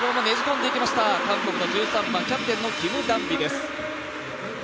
韓国の１３番、キャプテンのキム・ダンビです。